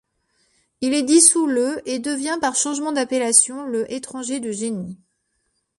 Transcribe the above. Il est dissout le et devient par changement d'appellation le étranger de génie.